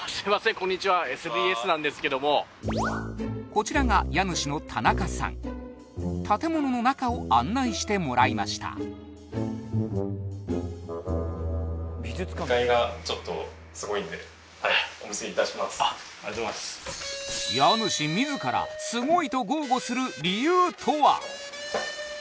こんにちはＳＢＳなんですけどもこちらが家主の建物の中を案内してもらいましたありがとうございます家主自らすごいと豪語する理由とは？